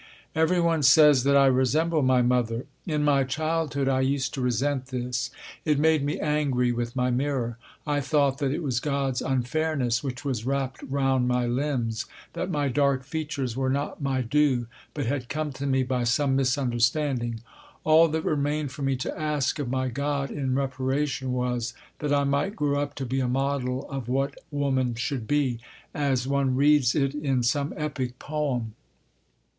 Everyone says that I resemble my mother. In my childhood I used to resent this. It made me angry with my mirror. I thought that it was God's unfairness which was wrapped round my limbs that my dark features were not my due, but had come to me by some misunderstanding. All that remained for me to ask of my God in reparation was, that I might grow up to be a model of what woman should be, as one reads it in some epic poem.